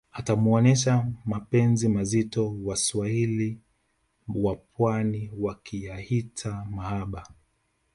atamuonesha mapenzi mazito waswahili wapwani wakiyahita mahaba